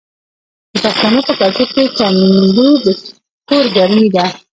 د پښتنو په کلتور کې تندور د کور ګرمي ده.